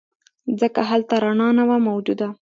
ځکه هلته رڼا نه وه موجوده.